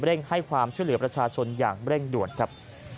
ให้ความช่วยเหลือประชาชนอย่างเร่งด่วนครับ